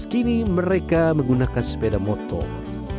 kini mereka menggunakan sepeda motor